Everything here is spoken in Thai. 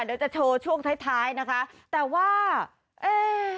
เดี๋ยวจะโชว์ช่วงท้ายท้ายนะคะแต่ว่าเอ๊